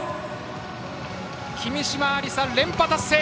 君嶋愛梨沙、連覇達成！